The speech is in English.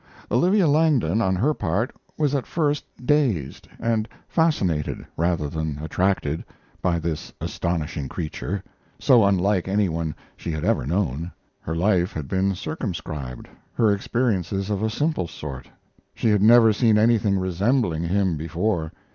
Olivia Langdon, on her part, was at first dazed and fascinated, rather than attracted, by this astonishing creature, so unlike any one she had ever known. Her life had been circumscribed, her experiences of a simple sort. She had never seen anything resembling him before.